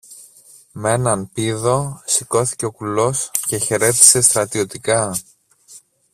Μ' έναν πήδο σηκώθηκε ο κουλός και χαιρέτησε στρατιωτικά.